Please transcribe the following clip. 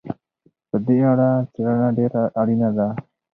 په دې اړه څېړنه ډېره اړينه ده.